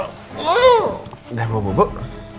udah mau bubuk